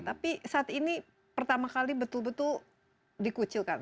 tapi saat ini pertama kali betul betul dikucilkan